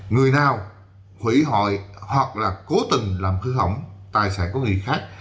người nào hủy hội hoặc là cố tình làm khứa hỏng tài sản của người khác